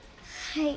はい。